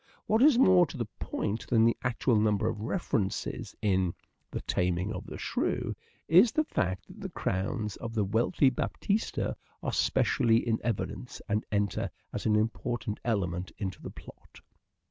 What is more to the point than the actual number of references in " The Taming of the Shrew," is the fact that the crowns of the wealthy Baptista are specially in evidence, and enter as an important element into the plot.